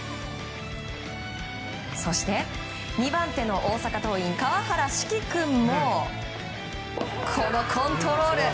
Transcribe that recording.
そして、２番手の大阪桐蔭川原嗣貴君もこのコントロール。